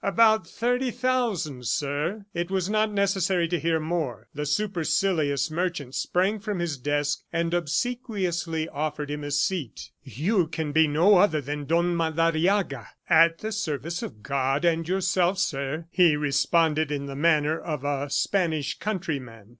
"About thirty thousand, sir." It was not necessary to hear more. The supercilious merchant sprang from his desk, and obsequiously offered him a seat. "You can be no other than Don Madariaga." "At the service of God and yourself, sir," he responded in the manner of a Spanish countryman.